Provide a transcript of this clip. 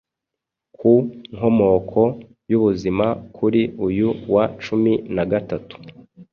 ku nkomoko y’ubuzima kuri uyu wa cumi nagatatu